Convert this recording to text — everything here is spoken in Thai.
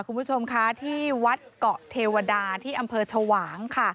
คุณผู้ชมคะที่วัดเกาะเทวดาที่อำเภอชวางค่ะ